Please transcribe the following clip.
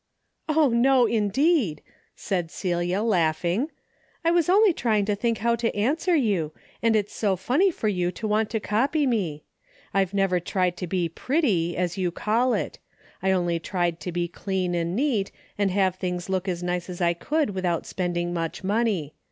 " Oh no, indeed !" said Celia laughing, " I was only trying to think how to answer you, and it's so funny for you to want to copy me. I have never tried to be ' pretty ' as you call it. I only tried to be clean and neat, and have things look as nice as I could without spend ing much money.